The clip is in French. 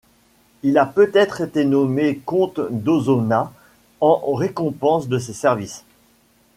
Il a peut-être été nommé comte d'Ausona en récompense de ses services.